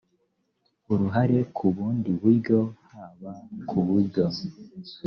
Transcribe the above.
uruhare ku bundi buryo haba ku buryo